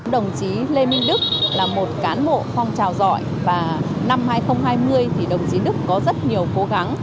đồng chí lê minh đức là một cán bộ phong trào giỏi và năm hai nghìn hai mươi thì đồng chí đức có rất nhiều cố gắng